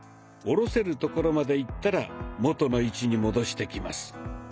下ろせるところまでいったら元の位置に戻してきます。